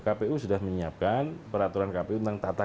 kpu sudah menyiapkan peraturan kpu